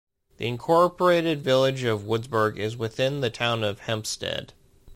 The Incorporated Village of Woodsburgh is within the Town of Hempstead.